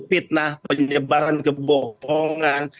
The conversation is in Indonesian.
fitnah penyebaran kebohongan